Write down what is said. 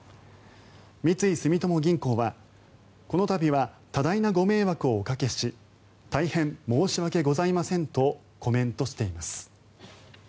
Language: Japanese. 三井住友銀行はこの度は多大なご迷惑をおかけし大変申し訳ございませんとコメントしています。